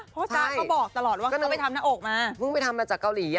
จ๊ะก็บอกตลอดว่าเขาต้องไปทำหน้าอกมาเพิ่งไปทำมาจากเกาหลี